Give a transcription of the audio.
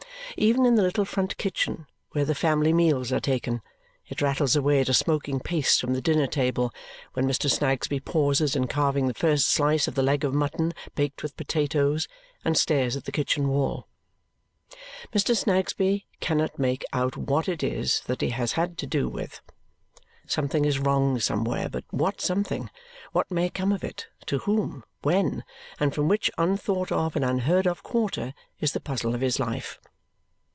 Even in the little front kitchen where the family meals are taken, it rattles away at a smoking pace from the dinner table, when Mr. Snagsby pauses in carving the first slice of the leg of mutton baked with potatoes and stares at the kitchen wall. Mr. Snagsby cannot make out what it is that he has had to do with. Something is wrong somewhere, but what something, what may come of it, to whom, when, and from which unthought of and unheard of quarter is the puzzle of his life.